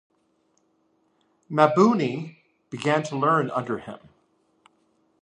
Mabuni began to learn under him.